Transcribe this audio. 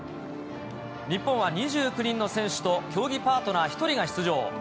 日本は２９人の選手と競技パートナー１人が出場。